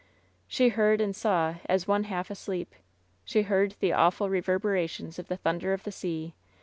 She heard and saw as one half asleep. She heard the awful reverberations of the thun der of the sea.